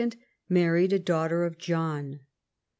married a daughter of John.